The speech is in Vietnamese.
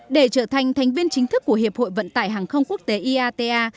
để trở thành thành viên chính thức của hiệp hội vận tải hàng không quốc tế iata